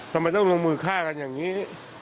ทำไมต้องลงมือฆ่ากันอย่างนี้